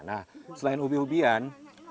nah selain ubi ubian